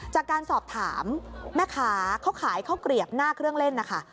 จากการสอบถามแม่ค้าเขาขายข้าวเกลียบหน้าเครื่องเล่นนะคะ